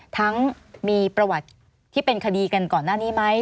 ทั้งมีประวัติที่เป็นคดีกันก่อนหน้านี้ไหม